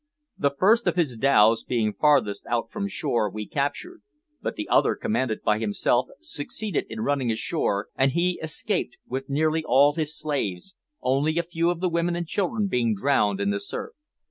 The first of his dhows, being farthest out from shore, we captured, but the other, commanded by himself, succeeded in running ashore, and he escaped; with nearly all his slaves only a few of the women and children being drowned in the surf.